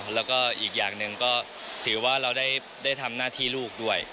แล้วก็อีกอย่างหนึ่งก็ถือว่าเราได้ทำหน้าที่ลูกด้วย